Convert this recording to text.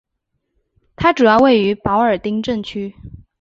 它主要位于保尔丁镇区。